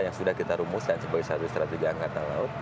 yang sudah kita rumuskan sebagai satu strategi angkatan laut